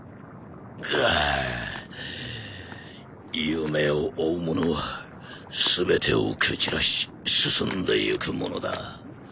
夢を追う者は全てを蹴散らし進んでいくものだ。